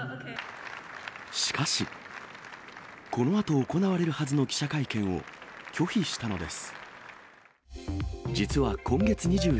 しかし、このあと行われるはずの記者会見を拒否したのです。